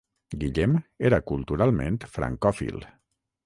Guillem era culturalment francòfil.